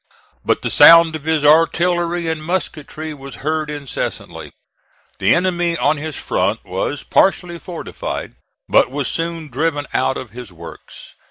But the sound of his artillery and musketry was heard incessantly. The enemy on his front was partially fortified, but was soon driven out of his works.